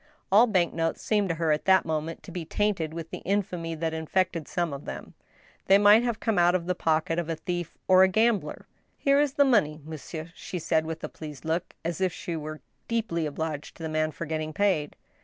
All bank notes seemed to her, at that moment, to be tainted with the infamy that infected some of them — they might have come out of the pocket of a thief or a gambler !Here is the money, monsieur," she said, with a pleased look, as if she were deeply obliged to the man for getting paid.